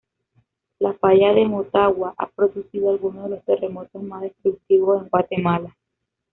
La falla de Motagua ha producido algunos de los terremotos más destructivos en Guatemala.